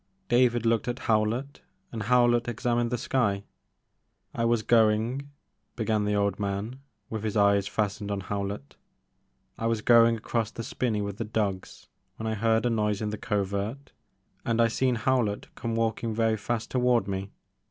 David looked at Howlett and Howlett examined the sky. I was going," began the old man, with his eyes fastened on Howlett, I was going along by the spinney with the dogs when I heard a noise in the covert and I seen Howlett come walkin* very fast toward me.